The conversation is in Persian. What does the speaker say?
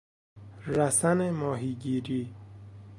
رسن ماهیگیری